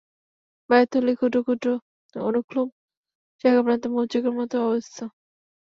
বায়ুথলিগুলো ক্ষুদ্র ক্ষুদ্র অনুক্লোম শাখাপ্রান্তে মৌচাকের মতো অবস্থিত।